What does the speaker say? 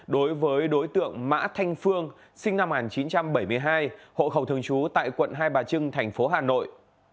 đối với đối tượng mã thanh phương sinh năm một nghìn chín trăm bảy mươi hai hộ khẩu thường trú tại quận hai bà trưng thành phố hà nội